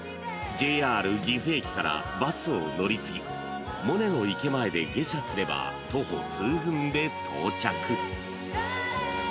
［ＪＲ岐阜駅からバスを乗り継ぎモネの池前で下車すれば徒歩数分で到着］